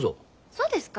そうですか？